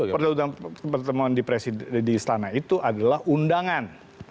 yang bertemu dengan presiden di istana itu adalah undangan